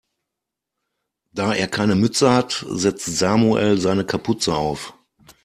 Da er keine Mütze hat, setzt Samuel seine Kapuze auf.